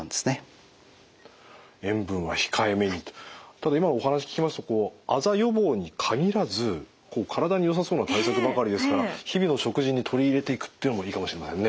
ただ今お話聞きますとあざ予防に限らず体によさそうな対策ばかりですから日々の食事に取り入れていくっていうのもいいかもしれませんね。